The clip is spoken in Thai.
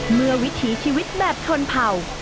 วิถีชีวิตแบบชนเผ่า